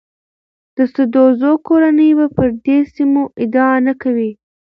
د سدوزو کورنۍ به پر دې سیمو ادعا نه کوي.